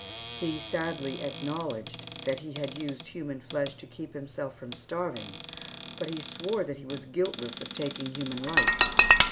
He sadly acknowledged that he had used human flesh to keep himself from starving, but swore that he was guiltless of taking human life.